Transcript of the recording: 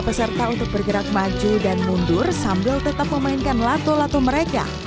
peserta untuk bergerak maju dan mundur sambil tetap memainkan lato lato mereka